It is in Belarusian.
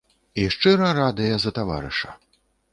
І шчыра радыя за таварыша.